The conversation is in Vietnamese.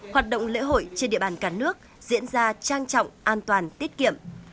hoạt động lễ hội trên địa bàn cả nước diễn ra trang trọng an toàn tiết kiệm